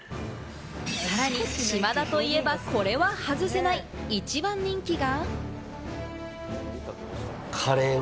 さらに「しまだ」といえば、これは外せない一番人気が。